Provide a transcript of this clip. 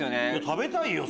食べたいよ！